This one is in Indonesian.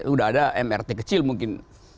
udah ada mrt kecil mungkin